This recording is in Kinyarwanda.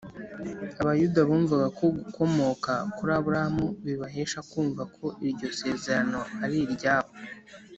Abayuda bumvaga ko gukomoka kuri Aburahamu bibahesha kumva ko iryo sezerano ari iryabo.